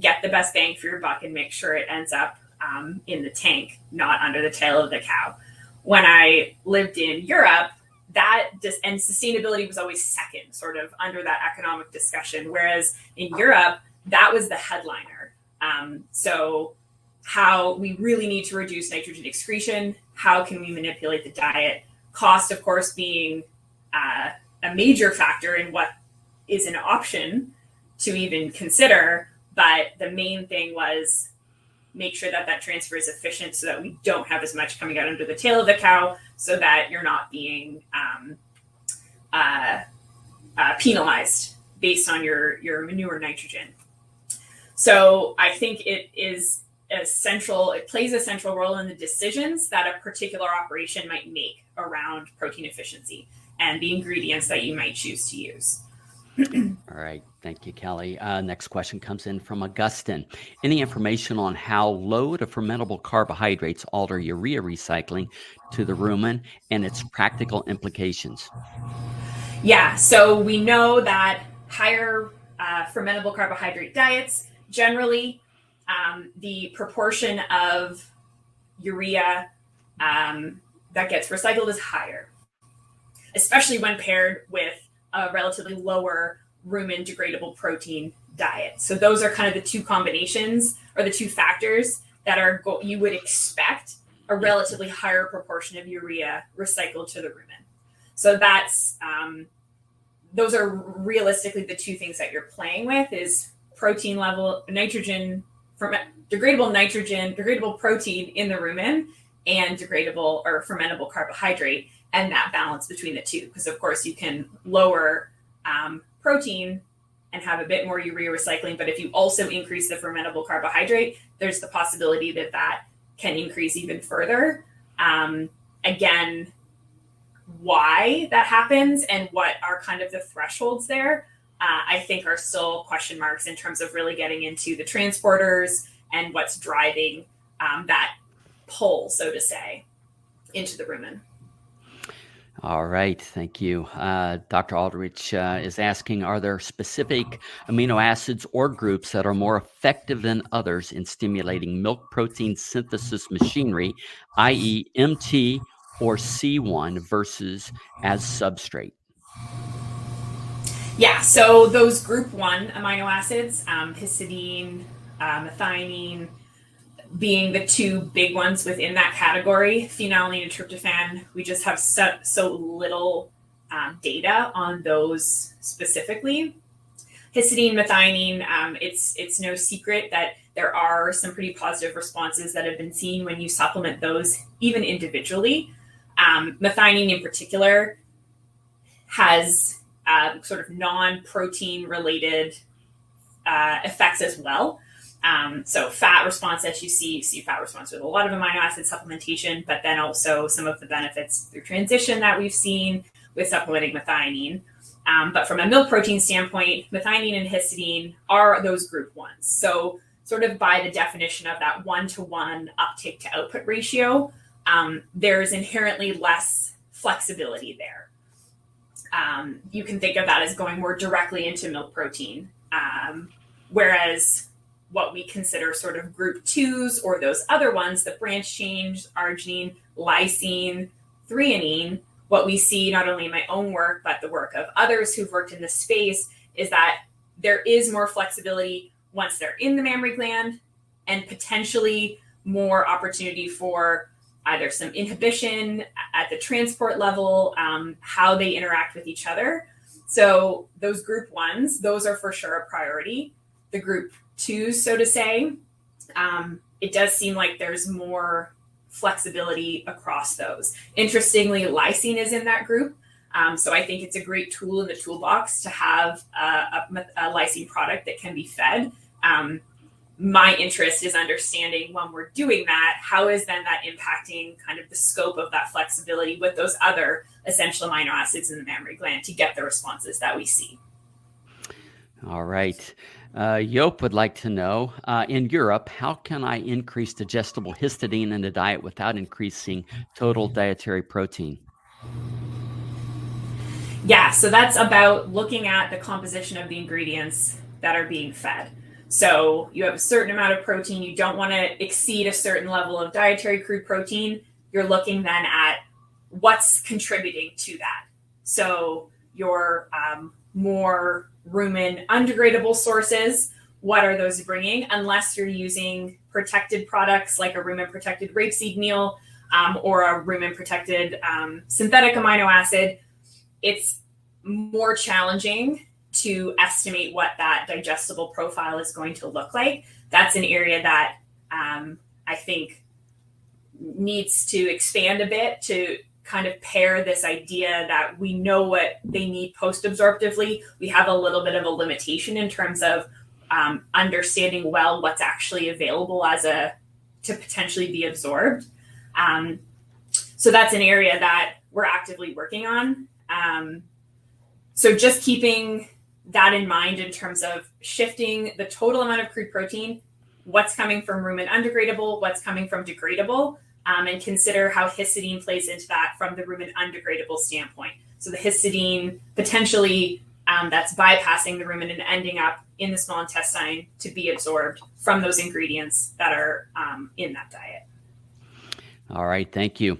Get the best bang for your buck and make sure it ends up in the tank, not under the tail of the cow. When I lived in Europe, sustainability was always second under that economic discussion, whereas in Europe, that was the headliner. How we really need to reduce nitrogen excretion, how can we manipulate the diet, cost being a major factor in what is an option to even consider. The main thing was make sure that that transfer is efficient so that we don't have as much coming out under the tail of the cow so that you're not being penalized based on your manure nitrogen. I think it plays a central role in the decisions that a particular operation might make around protein efficiency and the ingredients that you might choose to use. All right. Thank you, Kelly. Next question comes in from Augustine. Any information on how low the fermentable carbohydrates alter urea recycling to the rumen and its practical implications? Yeah, we know that higher fermentable carbohydrate diets, generally, the proportion of urea that gets recycled is higher, especially when paired with a relatively lower rumen degradable protein diet. Those are kind of the two combinations or the two factors that you would expect a relatively higher proportion of urea recycled to the rumen. Those are realistically the two things that you're playing with: protein level, nitrogen, degradable nitrogen, degradable protein in the rumen, and degradable or fermentable carbohydrate, and that balance between the two. Of course, you can lower protein and have a bit more urea recycling, but if you also increase the fermentable carbohydrate, there's the possibility that can increase even further. Why that happens and what are kind of the thresholds there, I think are still question marks in terms of really getting into the transporters and what's driving that pull, so to say, into the rumen. All right. Thank you. Dr. Aldrich is asking, are there specific amino acids or groups that are more effective than others in stimulating milk protein synthesis machinery, i.e., MT or C1 versus as substrate? Yeah, so those group one amino acids, histidine, methionine, being the two big ones within that category, phenylalanine and tryptophan, we just have so little data on those specifically. Histidine, methionine, it's no secret that there are some pretty positive responses that have been seen when you supplement those, even individually. Methionine in particular has sort of non-protein related effects as well. For example, you see fat response with a lot of amino acid supplementation, but also some of the benefits through transition that we've seen with supplementing methionine. From a milk protein standpoint, methionine and histidine are those group ones. By the definition of that one-to-one uptake to output ratio, there is inherently less flexibility there. You can think of that as going more directly into milk protein. What we consider sort of group twos or those other ones, the branch chains, arginine, lysine, threonine, what we see not only in my own work, but the work of others who've worked in this space is that there is more flexibility once they're in the mammary gland and potentially more opportunity for either some inhibition at the transport level, how they interact with each other. Those group ones, those are for sure a priority. The group twos, so to say, it does seem like there's more flexibility across those. Interestingly, lysine is in that group. I think it's a great tool in the toolbox to have a lysine product that can be fed. My interest is understanding when we're doing that, how is then that impacting kind of the scope of that flexibility with those other essential amino acids in the mammary gland to get the responses that we see? All right. Jope would like to know, in Europe, how can I increase digestible histidine in the diet without increasing total dietary protein? Yeah, so that's about looking at the composition of the ingredients that are being fed. You have a certain amount of protein. You don't want to exceed a certain level of dietary crude protein. You're looking then at what's contributing to that. Your more rumen undegradable sources, what are those bringing? Unless you're using protected products like a rumen protected rapeseed meal or a rumen protected synthetic amino acid, it's more challenging to estimate what that digestible profile is going to look like. That's an area that I think needs to expand a bit to kind of pair this idea that we know what they need post-absorptively. We have a little bit of a limitation in terms of understanding what's actually available to potentially be absorbed. That's an area that we're actively working on. Just keeping that in mind in terms of shifting the total amount of crude protein, what's coming from rumen undegradable, what's coming from degradable, and consider how histidine plays into that from the rumen undegradable standpoint. The histidine potentially that's bypassing the rumen and ending up in the small intestine to be absorbed from those ingredients that are in that diet. All right. Thank you.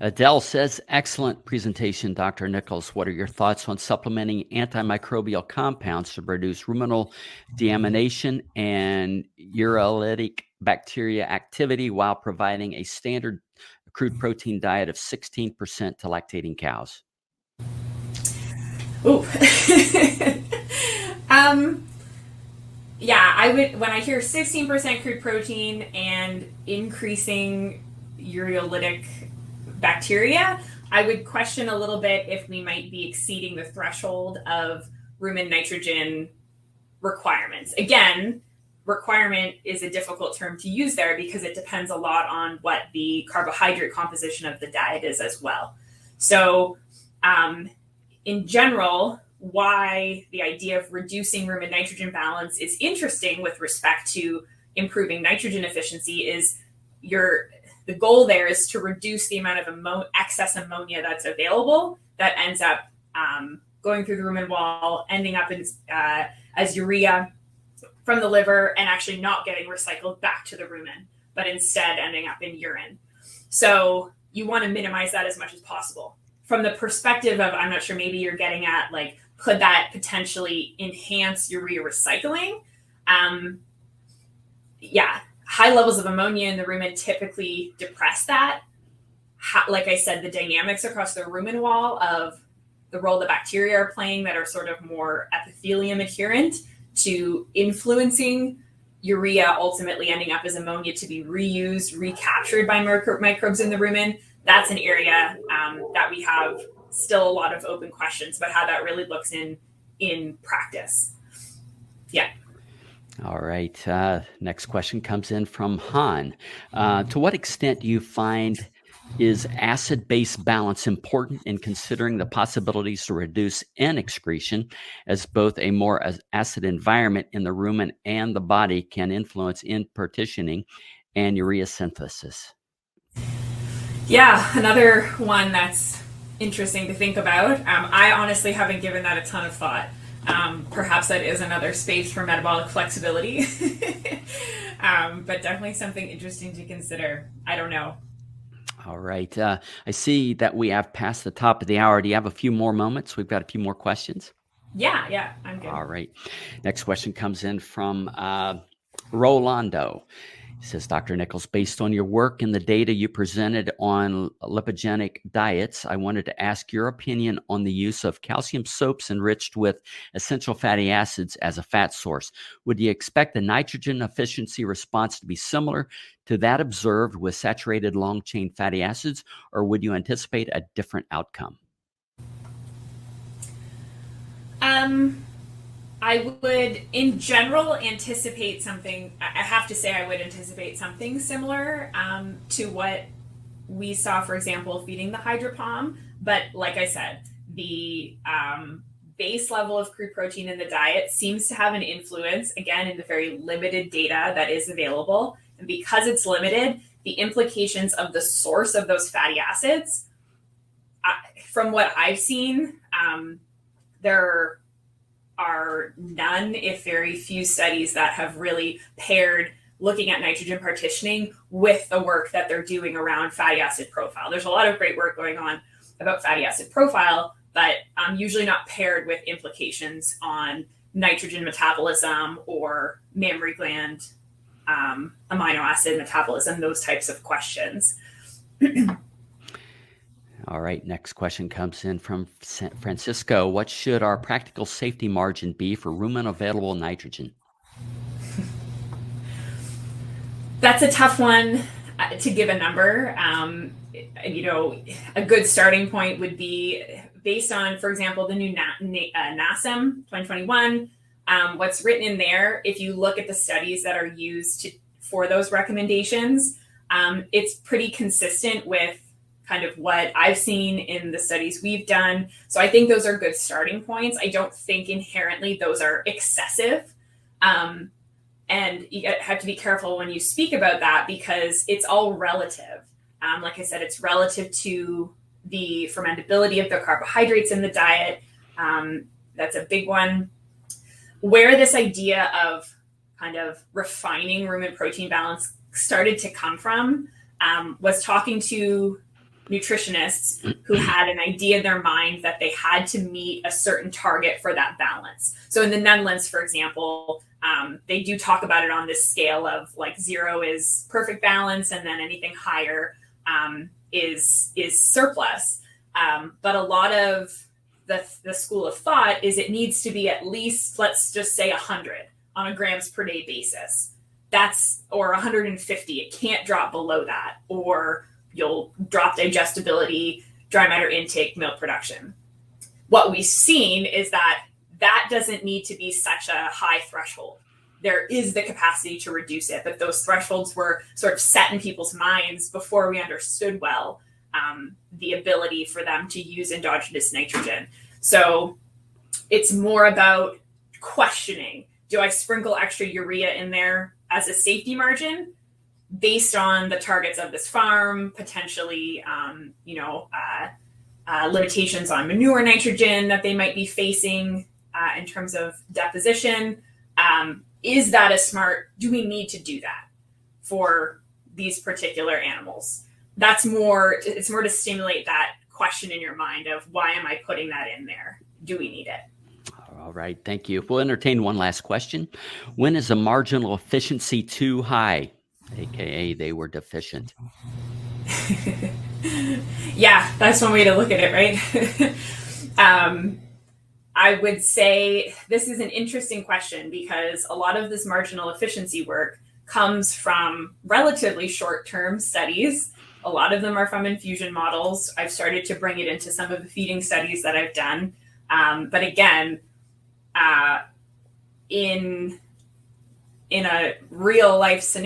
Adele says, excellent presentation, Dr. Nichols. What are your thoughts on supplementing antimicrobial compounds to reduce ruminal deamination and urolytic bacteria activity while providing a standard crude protein diet of 16% to lactating cows? Oh, yeah, when I hear 16% crude protein and increasing urolytic bacteria, I would question a little bit if we might be exceeding the threshold of rumen nitrogen requirements. Again, requirement is a difficult term to use there because it depends a lot on what the carbohydrate composition of the diet is as well. In general, why the idea of reducing rumen nitrogen balance is interesting with respect to improving nitrogen efficiency is the goal there is to reduce the amount of excess ammonia that's available that ends up going through the rumen wall, ending up as urea from the liver and actually not getting recycled back to the rumen, but instead ending up in urine. You want to minimize that as much as possible. From the perspective of, I'm not sure, maybe you're getting at like, could that potentially enhance urea recycling? Yeah, high levels of ammonia in the rumen typically depress that. Like I said, the dynamics across the rumen wall of the role the bacteria are playing that are sort of more epithelium adherent to influencing urea ultimately ending up as ammonia to be reused, recaptured by microbes in the rumen. That's an area that we have still a lot of open questions about how that really looks in practice. Yeah. All right. Next question comes in from Han. To what extent do you find is acid-base balance important in considering the possibilities to reduce nitrogen excretion as both a more acid environment in the rumen and the body can influence in partitioning and urea synthesis? Yeah, another one that's interesting to think about. I honestly haven't given that a ton of thought. Perhaps that is another space for metabolic flexibility, but definitely something interesting to consider. I don't know. All right. I see that we have passed the top of the hour. Do you have a few more moments? We've got a few more questions. Yeah, yeah. All right. Next question comes in from Rolando. It says, Dr. Nichols, based on your work and the data you presented on lipogenic diets, I wanted to ask your opinion on the use of calcium soaps enriched with essential fatty acids as a fat source. Would you expect the nitrogen efficiency response to be similar to that observed with saturated long-chain fatty acids, or would you anticipate a different outcome? I would, in general, anticipate something. I have to say I would anticipate something similar to what we saw, for example, feeding the hydropalm. Like I said, the base level of crude protein in the diet seems to have an influence, again, in the very limited data that is available. Because it's limited, the implications of the source of those fatty acids, from what I've seen, there are none, if very few, studies that have really paired looking at nitrogen partitioning with the work that they're doing around fatty acid profile. There's a lot of great work going on about fatty acid profile, but usually not paired with implications on nitrogen metabolism or mammary gland amino acid metabolism, those types of questions. All right. Next question comes in from Francisco. What should our practical safety margin be for rumen available nitrogen? That's a tough one to give a number. A good starting point would be based on, for example, the new NASEM 2021. What's written in there, if you look at the studies that are used for those recommendations, it's pretty consistent with kind of what I've seen in the studies we've done. I think those are good starting points. I don't think inherently those are excessive. You have to be careful when you speak about that because it's all relative. Like I said, it's relative to the fermentability of the carbohydrates in the diet. That's a big one. Where this idea of refining rumen protein balance started to come from was talking to nutritionists who had an idea in their mind that they had to meet a certain target for that balance. In the Netherlands, for example, they do talk about it on this scale of like zero is perfect balance, and then anything higher is surplus. A lot of the school of thought is it needs to be at least, let's just say, 100 on a grams per day basis or 150. It can't drop below that, or you'll drop digestibility, dry matter intake, milk production. What we've seen is that that doesn't need to be such a high threshold. There is the capacity to reduce it, but those thresholds were set in people's minds before we understood well the ability for them to use endogenous nitrogen. It's more about questioning, do I sprinkle extra urea in there as a safety margin based on the targets of this farm, potentially limitations on manure nitrogen that they might be facing in terms of deposition? Is that a smart... Do we need to do that for these particular animals? It's more to stimulate that question in your mind of why am I putting that in there? Do we need it? All right. Thank you. We'll entertain one last question. When is a marginal efficiency too high, A.K.A. they were deficient? Yeah, that's one way to look at it, right? I would say this is an interesting question because a lot of this marginal efficiency work comes from relatively short-term studies. A lot of them are from infusion models. I've started to bring it into some of the feeding studies that I've done. Again, in a real-life sense.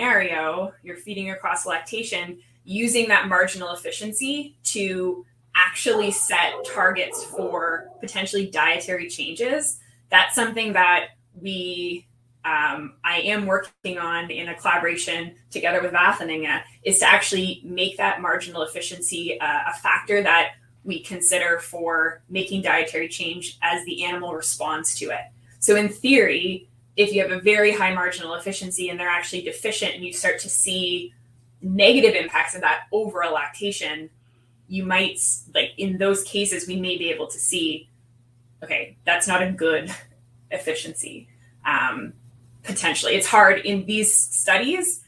You're feeding across lactation, using that marginal efficiency to actually set targets for potentially dietary changes. That's something that we, I am working on in a collaboration together with Balchem, is to actually make that marginal efficiency a factor that we consider for making dietary change as the animal responds to it. In theory, if you have a very high marginal efficiency and they're actually deficient and you start to see negative impacts of that overall lactation, you might, in those cases, we may be able to see, okay, that's not a good efficiency. Potentially, it's hard in these studies.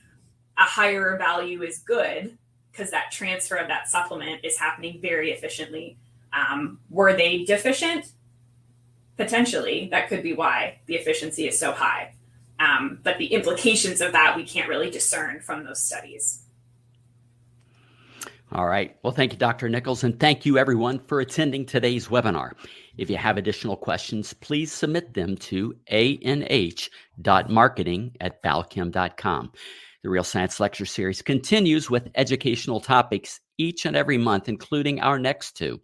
A higher value is good because that transfer of that supplement is happening very efficiently. Were they deficient? Potentially, that could be why the efficiency is so high, but the implications of that we can't really discern from the studies. All right. Thank you, Dr. Nichols, and thank you, everyone, for attending today's webinar. If you have additional questions, please submit them to anh.marketing@balchem.com. The Real Science Lecture series continues with educational topics each and every month, including our next two.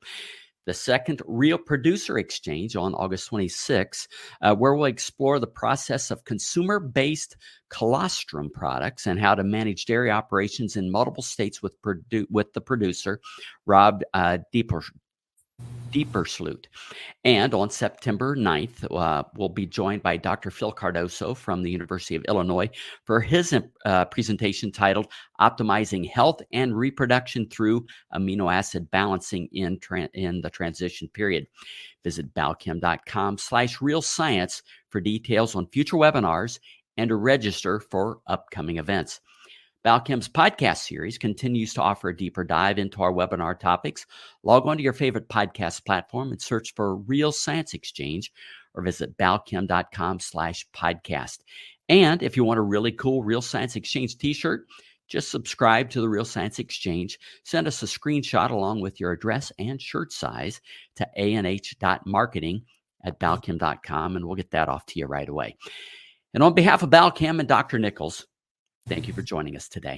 The second Real Producer Exchange on August 26, where we'll explore the process of consumer-based colostrum products and how to manage dairy operations in multiple states with the producer, Rob Deepersluit. On September 9, we'll be joined by Dr. Phil Cardoso from the University of Illinois for his presentation titled Optimizing Health and Reproduction Through Amino Acid Balancing in the Transition Period. Visit balchem.com/realscience for details on future webinars and to register for upcoming events. Balchem's podcast series continues to offer a deeper dive into our webinar topics. Log on to your favorite podcast platform and search for Real Science Exchange or visit balchem.com/podcast. If you want a really cool Real Science Exchange t-shirt, just subscribe to the Real Science Exchange. Send us a screenshot along with your address and shirt size to anh.marketing@balchem.com, and we'll get that off to you right away. On behalf of Balchem and Dr. Nichols, thank you for joining us today.